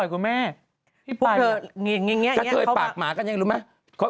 กะเทยปากหมากันได้รู้มั้ย